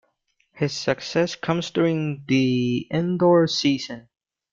His success comes during the indoor season.